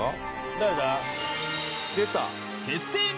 誰だ？